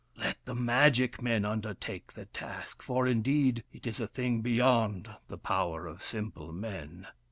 Let the magic men undertake the task, for indeed it is a thing beyond the power of simple men.